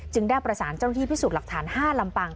ได้ประสานเจ้าหน้าที่พิสูจน์หลักฐาน๕ลำปาง